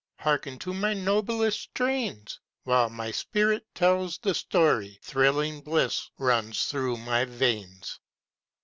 Hearken to my noblest strains! While my spirit tells the story, Thrilling bliss runs through my veins.